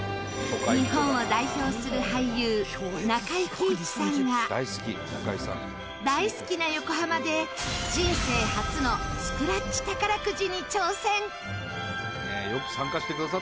日本を代表する俳優中井貴一さんが大好きな横浜で人生初のスクラッチ宝くじに挑戦！